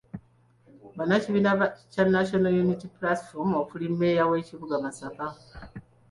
Bannakibiina kya National Unity Platform okuli mmeeya w’ekibuga Masaka.